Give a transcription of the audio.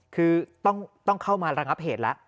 ที่ต้องเข้ามารังบเหตุละ